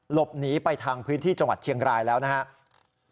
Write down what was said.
หลบหนีไปทางพื้นที่จังหวัดเชียงรายแล้วนะครับ